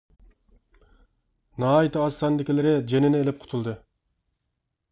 ناھايىتى ئاز ساندىكىلىرى جېنىنى ئېلىپ قۇتۇلدى.